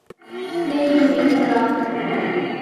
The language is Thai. ได้ยินเองครับ